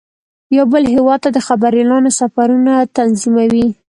یو بل هیواد ته د خبریالانو سفرونه تنظیموي.